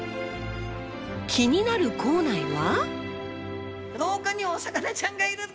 気になる校内は。